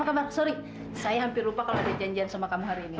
apa kabar maaf saya hampir lupa kalau ada janjian sama kamu hari ini